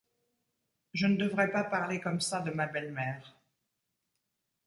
Je ne devrais pas parler comme ça de ma belle-mère.